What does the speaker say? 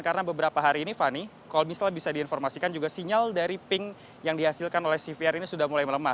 karena beberapa hari ini fani kalau misalnya bisa diinformasikan juga sinyal dari ping yang dihasilkan oleh sivir ini sudah mulai melemah